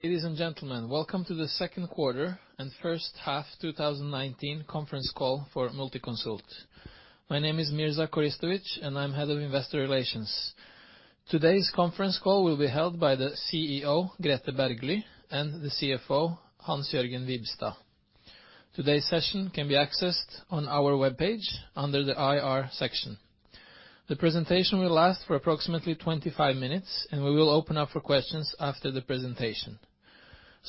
Ladies and gentlemen, welcome to the second quarter and first half 2019 conference call for Multiconsult. My name is Mirza Koristovic, and I'm head of investor relations. Today's conference call will be held by the CEO, Grethe Bergly, and the CFO, Hans Jørgen Vibstad. Today's session can be accessed on our webpage under the IR section. The presentation will last for approximately 25 minutes, and we will open up for questions after the presentation.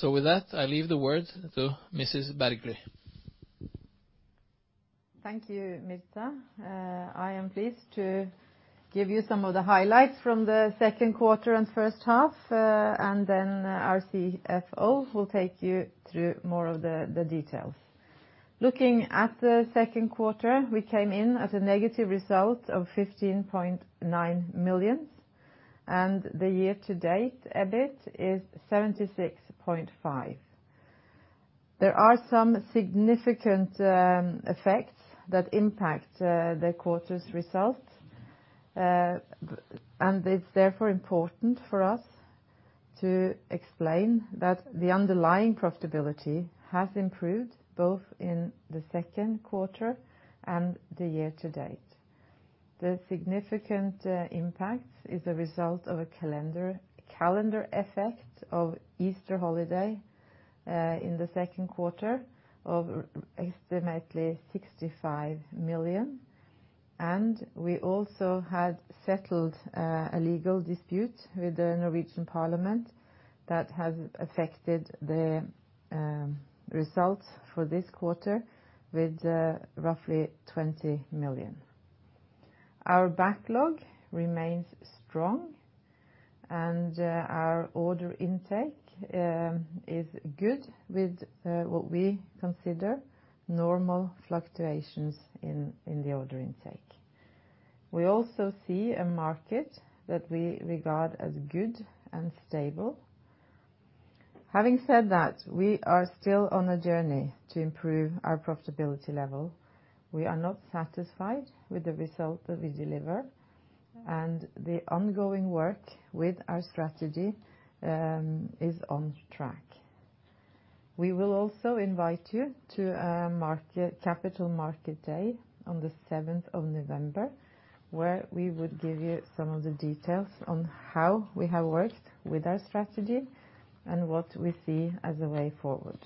With that, I leave the word to Mrs. Bergly. Thank you, Mirza. I am pleased to give you some of the highlights from the second quarter and first half, then our CFO will take you through more of the details. Looking at the second quarter, we came in at a negative result of 15.9 million, and the year to date, EBIT is 76.5. There are some significant effects that impact the quarter's results. It's therefore important for us to explain that the underlying profitability has improved both in the second quarter and the year to date. The significant impact is a result of a calendar effect of Easter holiday, in the second quarter of estimated NOK 65 million. We also had settled a legal dispute with the Norwegian Parliament that has affected the results for this quarter with roughly 20 million. Our backlog remains strong, and our order intake is good with what we consider normal fluctuations in the order intake. We also see a market that we regard as good and stable. Having said that, we are still on a journey to improve our profitability level. We are not satisfied with the result that we deliver, and the ongoing work with our strategy is on track. We will also invite you to Capital Market Day on the 7th of November, where we would give you some of the details on how we have worked with our strategy and what we see as a way forward.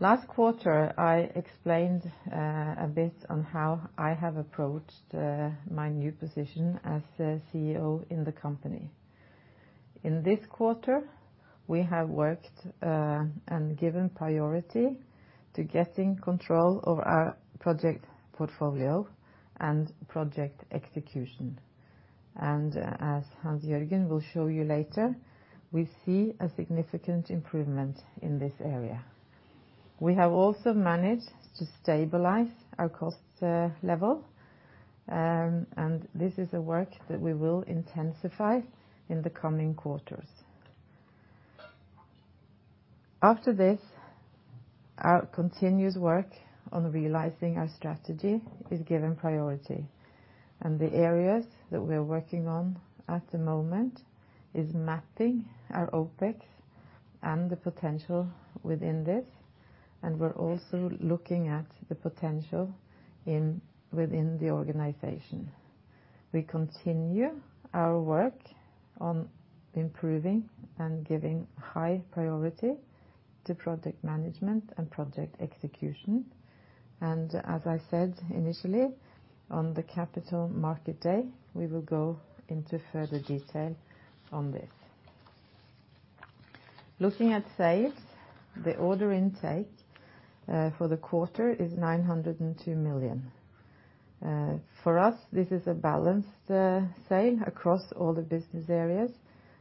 Last quarter, I explained a bit on how I have approached my new position as the CEO in the company. In this quarter, we have worked, and given priority to getting control of our project portfolio and project execution. As Hans Jørgen will show you later, we see a significant improvement in this area. We have also managed to stabilize our cost level, and this is the work that we will intensify in the coming quarters. After this, our continuous work on realizing our strategy is given priority. The areas that we're working on at the moment is mapping our OpEx and the potential within this, and we're also looking at the potential within the organization. We continue our work on improving and giving high priority to project management and project execution. As I said initially, on the Capital Market Day, we will go into further detail on this. Looking at sales, the order intake for the quarter is 902 million. For us, this is a balanced sale across all the business areas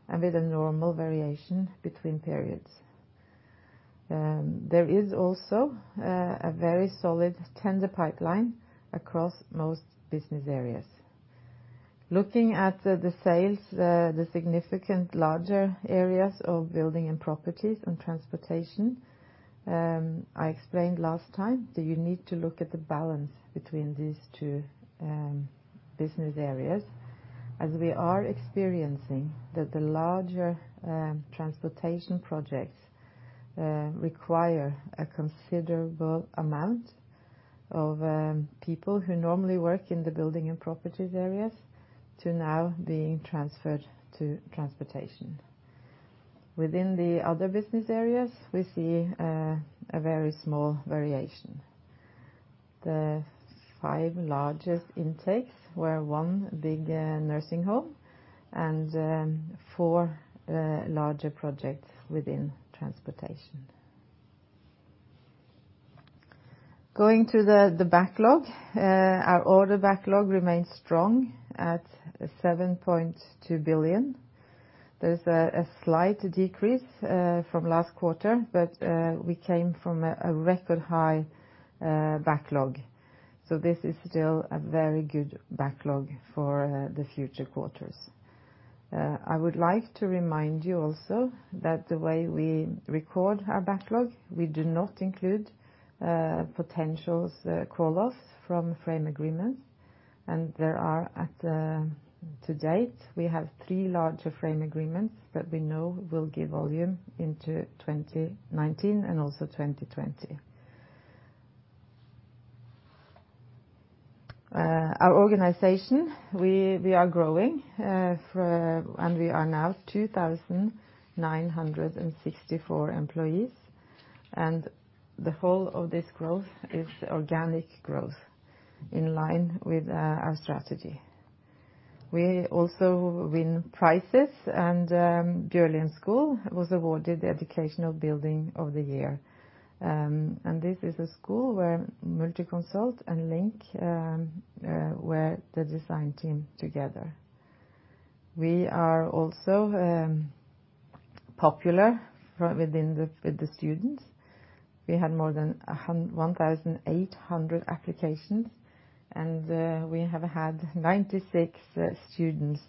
and with a normal variation between periods. There is also a very solid tender pipeline across most business areas. Looking at the sales, the significant larger areas of building and properties and transportation, I explained last time that you need to look at the balance between these two business areas, as we are experiencing that the larger transportation projects require a considerable amount of people who normally work in the building and properties areas to now being transferred to transportation. Within the other business areas, we see a very small variation. The five largest intakes were one big nursing home and four larger projects within transportation. Going to the backlog, our order backlog remains strong at 7.2 billion. There's a slight decrease from last quarter, but we came from a record-high backlog. This is still a very good backlog for the future quarters. I would like to remind you also that the way we record our backlog, we do not include potential call-offs from frame agreements. There are, to date, we have three larger frame agreements that we know will give volume into 2019 and also 2020. Our organization, we are growing, and we are now 2,964 employees, and the whole of this growth is organic growth in line with our strategy. We also win prizes, and Bjørlien School was awarded the educational building of the year, and this is a school where Multiconsult and Link were the design team together. We are also popular with the students. We had more than 1,800 applications, and we have had 96 students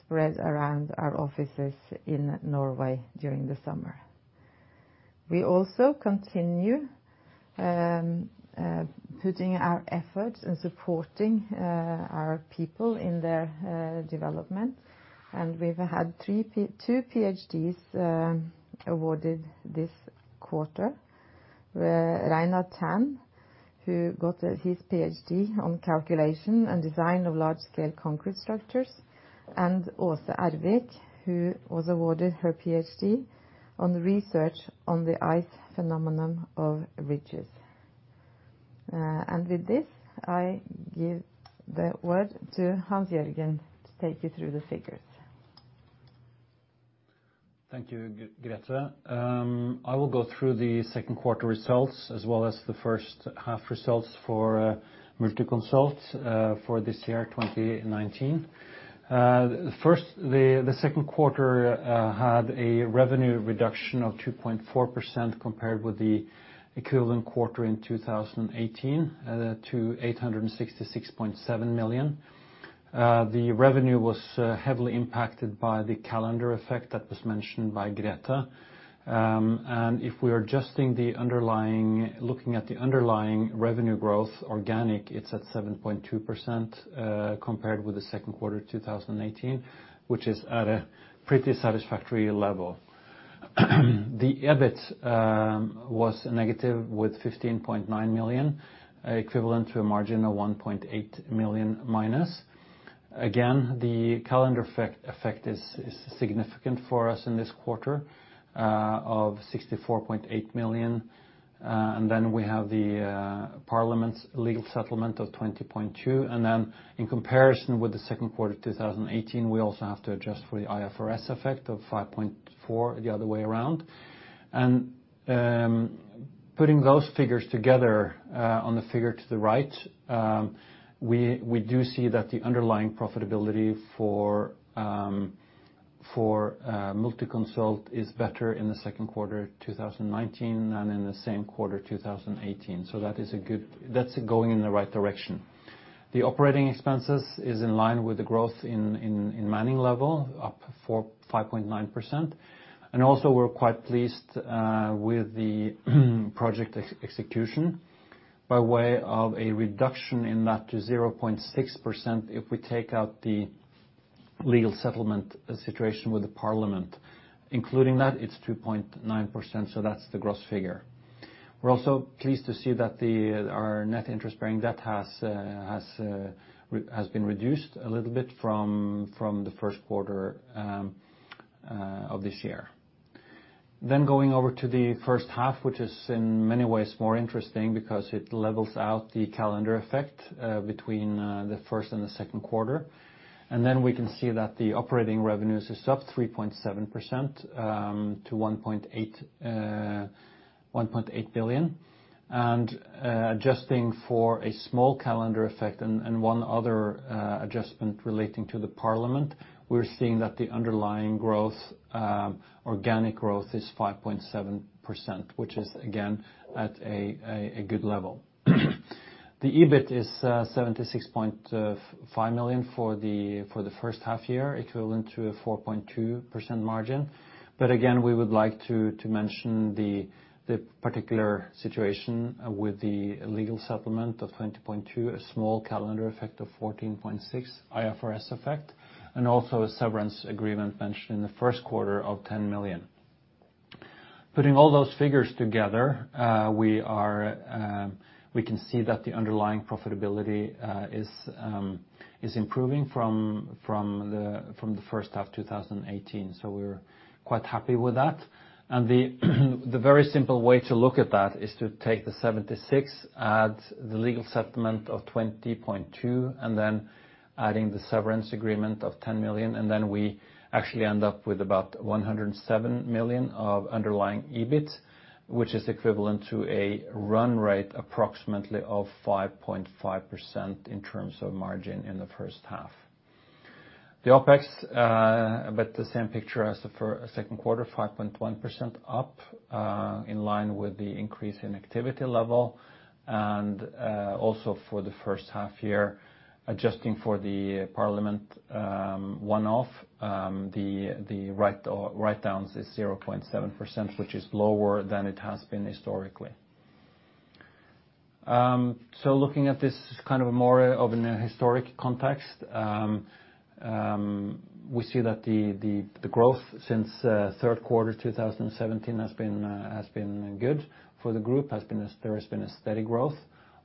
spread around our offices in Norway during the summer. We also continue putting our effort and supporting our people in their development. We've had two PhDs awarded this quarter, where Reinert Tan, who got his PhD on calculation and design of large-scale concrete structures, and Åse Ervik, who was awarded her PhD on research on the ice phenomenon of ridges. With this, I give the word to Hans Jørgen to take you through the figures. Thank you, Grethe. I will go through the second quarter results as well as the first half results for Multiconsult for this year, 2019. First, the second quarter had a revenue reduction of 2.4% compared with the equivalent quarter in 2018, to 866.7 million. The revenue was heavily impacted by the calendar effect that was mentioned by Grethe. If we're looking at the underlying revenue growth organic, it's at 7.2%, compared with the second quarter 2018, which is at a pretty satisfactory level. The EBIT was negative with 15.9 million, equivalent to a margin of 1.8% minus. Again, the calendar effect is significant for us in this quarter, of 64.8 million. Then we have the Parliament's legal settlement of 20.2. Then in comparison with the second quarter of 2018, we also have to adjust for the IFRS effect of 5.4 the other way around. Putting those figures together, on the figure to the right, we do see that the underlying profitability for Multiconsult is better in the second quarter 2019 than in the same quarter 2018. That's going in the right direction. The operating expenses is in line with the growth in manning level, up 5.9%. Also we're quite pleased with the project execution by way of a reduction in that to 0.6% if we take out the legal settlement situation with the Parliament. Including that, it's 2.9%, that's the gross figure. We're also pleased to see that our net interest-bearing debt has been reduced a little bit from the first quarter of this year. Going over to the first half, which is in many ways more interesting because it levels out the calendar effect between the first and the second quarter. We can see that the operating revenues is up 3.7% to 1.8 billion. Adjusting for a small calendar effect and one other adjustment relating to the Parliament, we're seeing that the underlying growth, organic growth, is 5.7%, which is, again, at a good level. The EBIT is 76.5 million for the first half year, equivalent to a 4.2% margin. Again, we would like to mention the particular situation with the legal settlement of 20.2, a small calendar effect of 14.6, IFRS effect, and also a severance agreement mentioned in the first quarter of 10 million. Putting all those figures together, we can see that the underlying profitability is improving from the first half 2018. We're quite happy with that. The very simple way to look at that is to take the 76, add the legal settlement of 20.2, and then adding the severance agreement of 10 million, and then we actually end up with about 107 million of underlying EBIT, which is equivalent to a run rate approximately of 5.5% in terms of margin in the first half. The OpEx, about the same picture as the second quarter, 5.1% up, in line with the increase in activity level. Also for the first half year, adjusting for the Parliament one-off, the writedowns is 0.7%, which is lower than it has been historically. Looking at this more of in a historic context. We see that the growth since third quarter 2017 has been good for the group. There has been a steady growth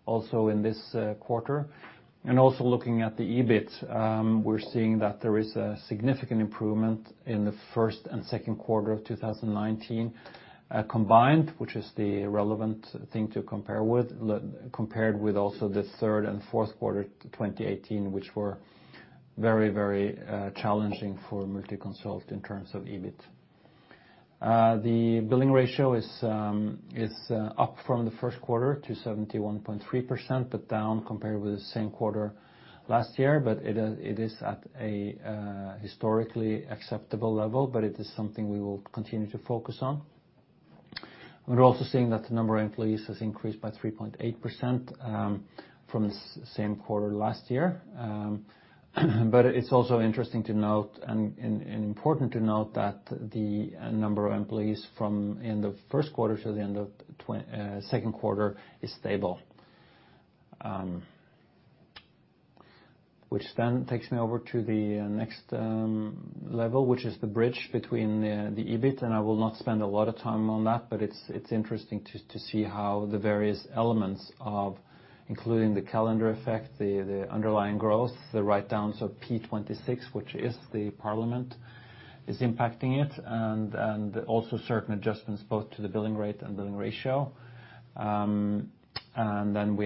also in this quarter. Also looking at the EBIT, we're seeing that there is a significant improvement in the first and second quarter of 2019 combined, which is the relevant thing to compare with, compared with also the third and fourth quarter 2018, which were very challenging for Multiconsult in terms of EBIT. The billing ratio is up from the first quarter to 71.3%, but down compared with the same quarter last year, but it is at a historically acceptable level, but it is something we will continue to focus on. We're also seeing that the number of employees has increased by 3.8% from the same quarter last year. It's also interesting to note, and important to note, that the number of employees from in the first quarter to the end of second quarter is stable. That takes me over to the next level, which is the bridge between the EBIT, and I will not spend a lot of time on that, but it is interesting to see how the various elements of, including the calendar effect, the underlying growth, the write-downs of Stortingsgata 26, which is the Parliament, is impacting it, and also certain adjustments both to the billing rate and billing ratio. We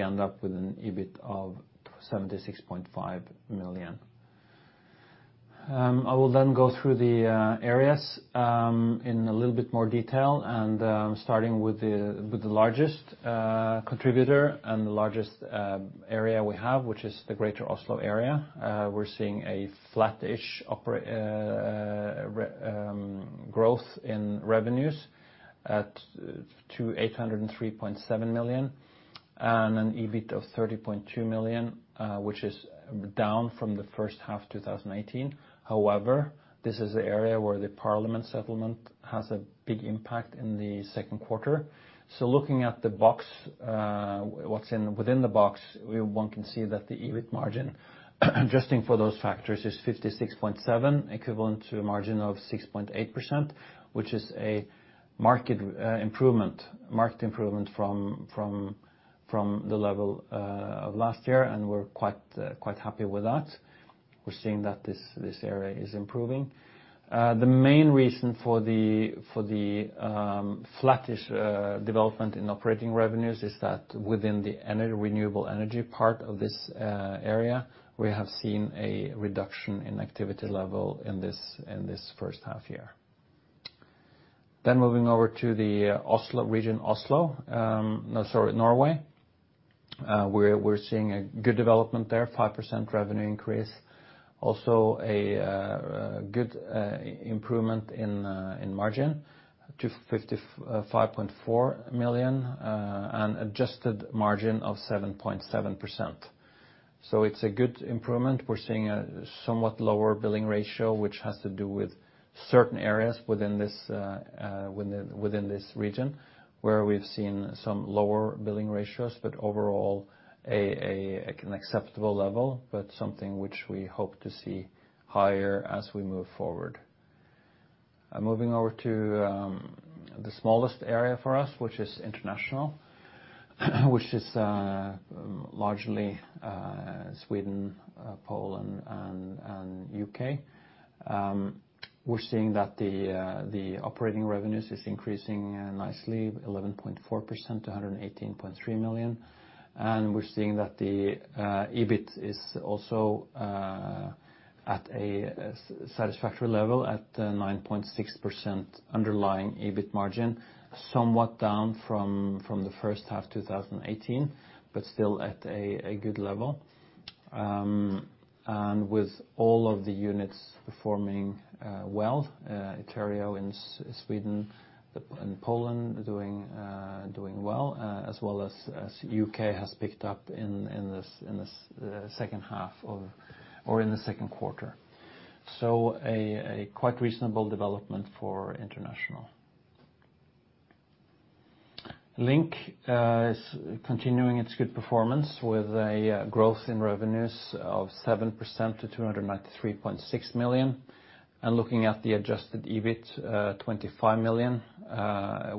end up with an EBIT of 76.5 million. I will go through the areas in a little bit more detail, and starting with the largest contributor and the largest area we have, which is the Greater Oslo Area. We're seeing a flat-ish growth in revenues to 803.7 million and an EBIT of 30.2 million, which is down from the first half 2018. However, this is the area where the Parliament settlement has a big impact in the second quarter. Looking at what's within the box, one can see that the EBIT margin, adjusting for those factors, is 56.7%, equivalent to a margin of 6.8%, which is a market improvement from the level of last year, and we're quite happy with that. We're seeing that this area is improving. The main reason for the flattish development in operating revenues is that within the renewable energy part of this area, we have seen a reduction in activity level in this first half year. Moving over to the region Norway. We're seeing a good development there, 5% revenue increase. Also a good improvement in margin to 55.4 million, an adjusted margin of 7.7%. It's a good improvement. We're seeing a somewhat lower billing ratio, which has to do with certain areas within this region where we've seen some lower billing ratios, but overall an acceptable level, but something which we hope to see higher as we move forward. Moving over to the smallest area for us, which is international, which is largely Sweden, Poland, and U.K. We're seeing that the operating revenues is increasing nicely, 11.4% to 118.3 million. We're seeing that the EBIT is also at a satisfactory level at 9.6% underlying EBIT margin, somewhat down from the first half 2018, but still at a good level. With all of the units performing well. Iterio in Sweden and Poland are doing well, as well as U.K. has picked up in the second half or in the second quarter. A quite reasonable development for international. LINK is continuing its good performance with a growth in revenues of 7% to 293.6 million. Looking at the adjusted EBIT, 25 million,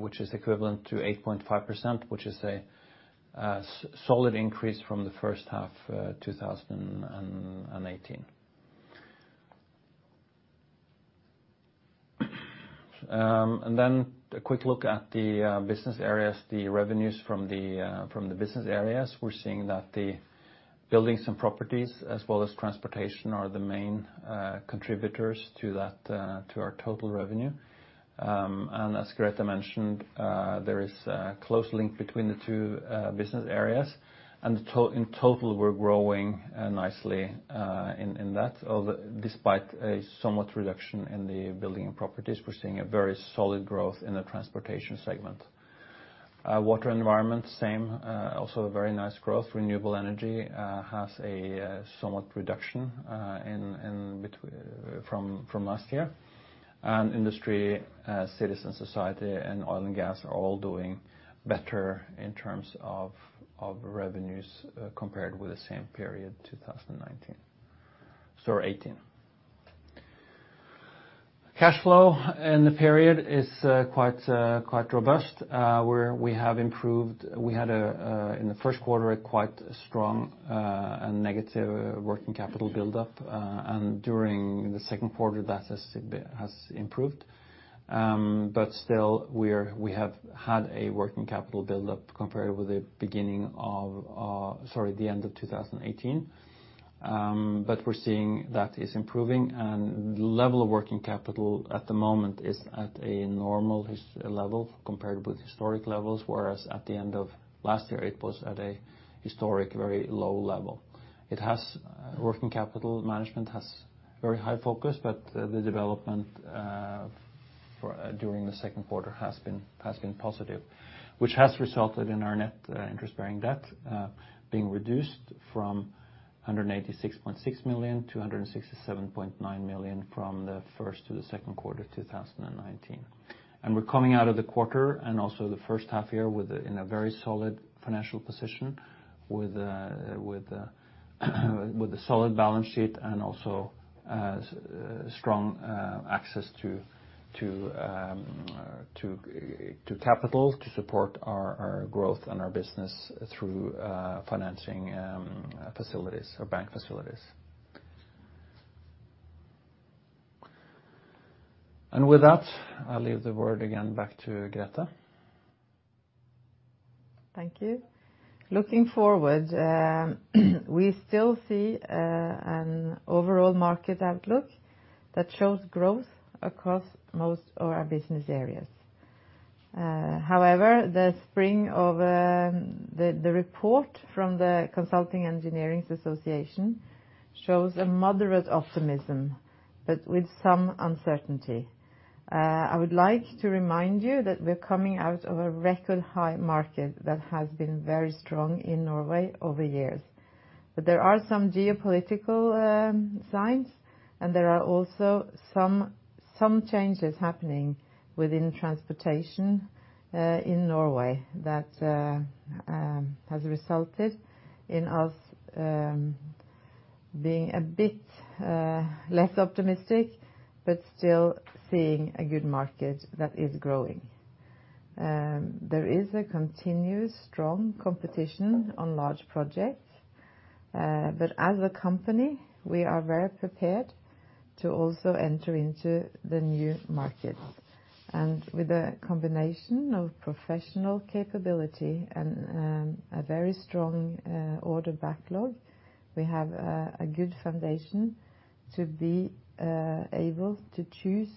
which is equivalent to 8.5%, which is a solid increase from the first half 2018. A quick look at the business areas, the revenues from the business areas. We're seeing that the buildings and properties as well as transportation are the main contributors to our total revenue. As Grethe mentioned, there is a close link between the two business areas. In total, we're growing nicely in that, despite a somewhat reduction in the building and properties. We're seeing a very solid growth in the transportation segment. Water environment, same, also a very nice growth. Renewable energy has a somewhat reduction from last year. Industry, citizen society, and oil and gas are all doing better in terms of revenues compared with the same period 2019, sorry, 2018. Cash flow in the period is quite robust, where we have improved. We had, in the first quarter, a quite strong and negative working capital buildup. During the second quarter, that has improved. Still, we have had a working capital buildup compared with the end of 2018. We're seeing that is improving, and the level of working capital at the moment is at a normal level compared with historic levels, whereas at the end of last year it was at a historic, very low level. Working capital management has very high focus, but the development during the second quarter has been positive. Which has resulted in our net interest-bearing debt being reduced from 186.6 million to 167.9 million from the first to the second quarter of 2019. We're coming out of the quarter, and also the first half year, in a very solid financial position with a solid balance sheet and also strong access to capital to support our growth and our business through financing facilities or bank facilities. With that, I leave the word again back to Grethe. Thank you. Looking forward, we still see an overall market outlook that shows growth across most of our business areas. However, the report from the Consulting Engineering Association shows a moderate optimism, but with some uncertainty. I would like to remind you that we're coming out of a record high market that has been very strong in Norway over years. There are some geopolitical signs, and there are also some changes happening within transportation in Norway that has resulted in us being a bit less optimistic, but still seeing a good market that is growing. There is a continuous strong competition on large projects. As a company, we are very prepared to also enter into the new market. With a combination of professional capability and a very strong order backlog, we have a good foundation to be able to choose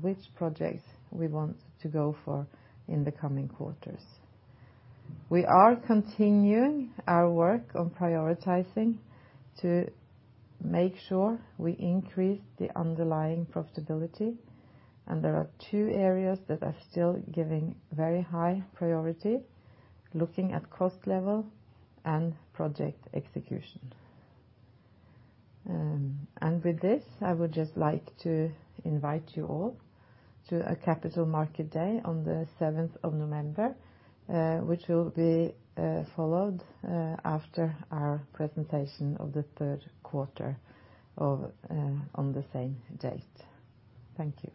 which projects we want to go for in the coming quarters. We are continuing our work on prioritizing to make sure we increase the underlying profitability, and there are two areas that are still giving very high priority, looking at cost level and project execution. With this, I would just like to invite you all to a Capital Market Day on the 7th of November, which will be followed after our presentation of the third quarter on the same date. Thank you.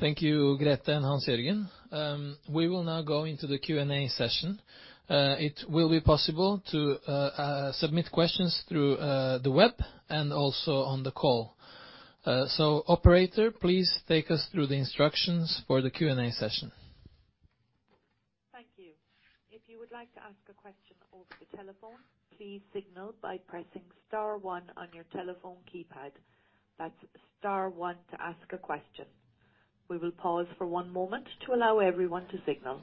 Thank you, Grethe and Hans-Jørgen. We will now go into the Q&A session. It will be possible to submit questions through the web and also on the call. Operator, please take us through the instructions for the Q&A session. Thank you. If you would like to ask a question over the telephone, please signal by pressing star one on your telephone keypad. That's star one to ask a question. We will pause for one moment to allow everyone to signal